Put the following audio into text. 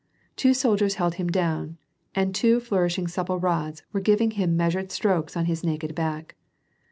Two soldiers held him down, and two, flourishing supi)le rods, were giving him measured strokes on his naked back.